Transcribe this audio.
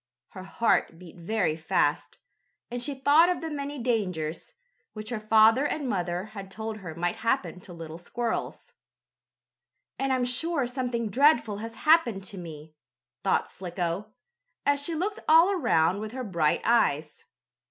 Her heart beat very fast, and she thought of the many dangers, which her father and mother had told her might happen to little squirrels. "And I'm sure something dreadful has happened to me!" thought Slicko, as she looked all around with her bright eyes.